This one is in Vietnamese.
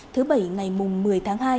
thứ bảy ngày mùng một mươi tháng hai